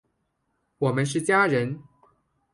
我们是家人！